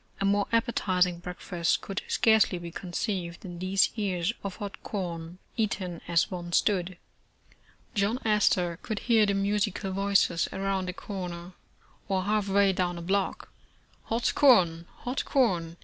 A more appetizing breakfast could scarcely be conceived than these ears of hot corn, eaten as one stood. John Astor could hear the musical voices around a corner, or half way down a block, '' Hot corn, hot corn